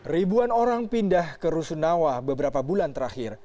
ribuan orang pindah ke rusun nawa beberapa bulan terakhir